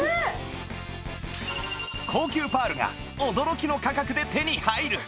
高級パールが驚きの価格で手に入る